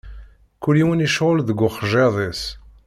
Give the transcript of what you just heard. Kul yiwen icɣel deg uxjiḍ-is.